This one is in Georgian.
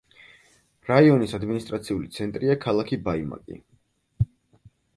რაიონის ადმინისტრაციული ცენტრია ქალაქი ბაიმაკი.